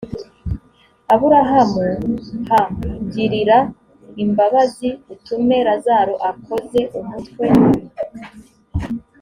aburahamu h ngirira imbabazi utume lazaro akoze umutwe